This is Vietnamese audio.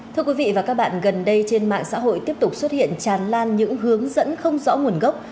thưa quý vị và các bạn gần đây trên mạng xã hội tiếp tục xuất hiện tràn lan những hướng dẫn không rõ nguồn gốc